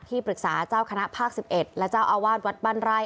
ปรึกษาเจ้าคณะภาค๑๑และเจ้าอาวาสวัดบ้านไร่